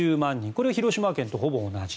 これは広島県とほぼ同じ。